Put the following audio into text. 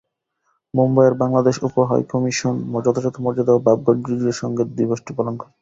মুম্বাইয়ের বাংলাদেশ উপহাইকমিশন যথাযথ মর্যাদা ও ভাবগাম্ভীর্যের সঙ্গে দিবসটি পালন করে।